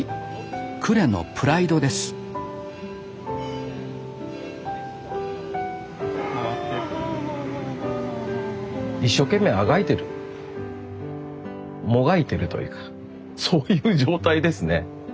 呉のプライドです一生懸命あがいてるもがいてるというかそういう状態ですね。